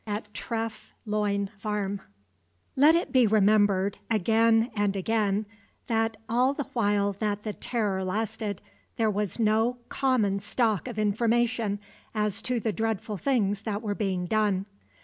At Treff Loyne Farm Let it be remembered, again and again, that, all the while that the terror lasted, there was no common stock of information as to the dreadful things that were being done.